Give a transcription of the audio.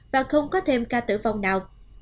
và không có thêm ca tử vong nào